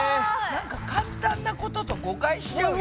簡単なことと誤解しちゃうよ